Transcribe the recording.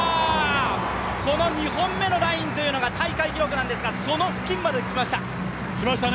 この２本目のラインが大会記録なんですが、その付近まで来ました。